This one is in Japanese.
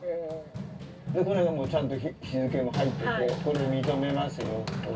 これはちゃんと日付も入っててこれ認めますよと。